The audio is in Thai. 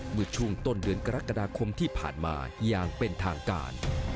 เมื่อช่วงต้นเดือนกรกฎาคมที่ผ่านมาอย่างเป็นทางการ